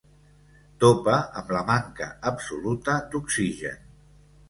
Topa amb la manca absoluta d'oxigen.